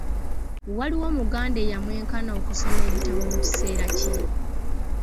Waliwo Omuganda eyamwenkana okusoma ebitabo mu kiseera kye?